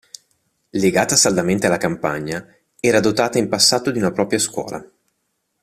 Legata saldamente alla campagna, era dotata in passato di una propria scuola.